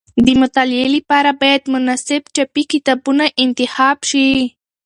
د مطالعې لپاره باید مناسب چاپي کتابونه انتخاب شي.